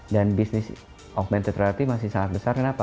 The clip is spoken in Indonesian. dan bisnis augmented reality masih sangat besar kenapa